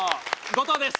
後藤です。